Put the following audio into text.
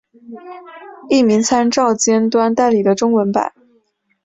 译名参照尖端代理的中文版。